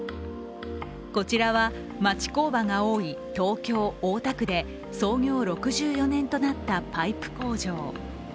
こちらは町工場が多い東京・大田区で創業６４年となったパイプ工場。